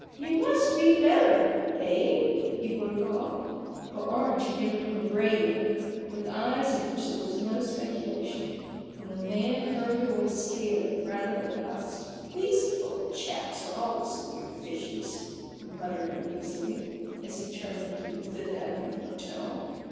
You must be much better — eh ?" he broke off, for Orange had given him a gray look, with eyes in which there was no speculation ; and the man hurried away scared and rather aghast. "These poet chaps are always queer fishes," he muttered uneasily, as he turned into the Fifth Avenue Hotel.